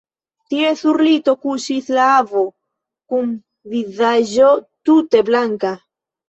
Tie sur lito kuŝis la avo, kun vizaĝo tute blanka.